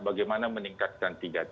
bagaimana meningkatkan tiga t